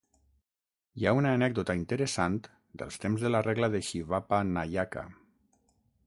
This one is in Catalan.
Hi ha una anècdota interessant dels temps de la regla de Shivappa Nayaka.